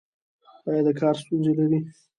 ایا د کار ستونزې لرئ؟